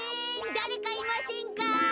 だれかいませんか？